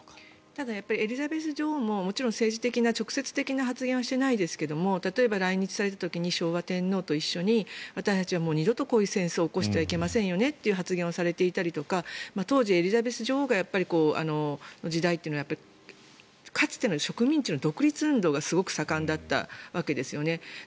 ただ、エリザベス女王ももちろん政治的な直接的な発言はしていないですけれども例えば来日された時に昭和天皇と一緒に私たちは二度とこういう戦争をしてはいけませんねという発言をされていたりとか当時エリザベス女王の時代というのはかつての植民地の独立運動がすごく盛んだったわけですよね。